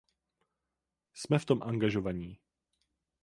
Jsme v tom angažovaní.